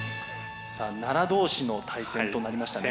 さあ奈良同士の対戦となりましたね。